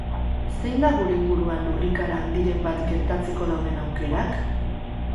Zein da gure inguruan lurrikara handiren bat gertatzeko dauden aukerak?